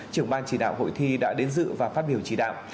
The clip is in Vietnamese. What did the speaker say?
trưởng ban chỉ đạo hội thi đã đến dự và phát biểu chỉ đạo